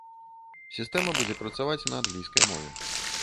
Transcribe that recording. Сістэма будзе працаваць на англійскай мове.